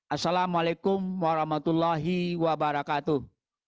assalamu'alaikum warahmatullahi wabarakatuh